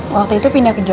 waktu itu pindah ke jogja ya